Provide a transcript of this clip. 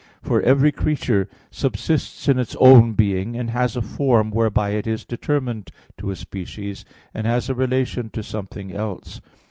For every creature subsists in its own being, and has a form, whereby it is determined to a species, and has relation to something else.